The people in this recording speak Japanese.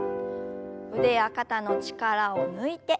腕や肩の力を抜いて。